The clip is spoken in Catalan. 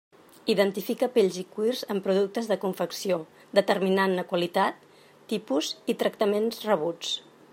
Identifica pells i cuirs en productes de confecció, determinant-ne qualitat, tipus i tractaments rebuts.